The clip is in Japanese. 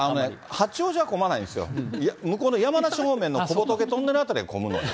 八王子は混まないんですよ、向こうの山梨方面の小仏トンネル辺りが混むのよ。